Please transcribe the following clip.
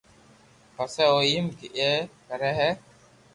پسي او ايم اي ڪري ھي